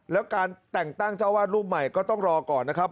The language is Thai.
แล้วการแต่งตั้งเจ้าวาดรูปใหม่ก็ต้องรอก่อนนะครับ